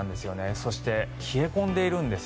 そして、冷え込んでいるんです。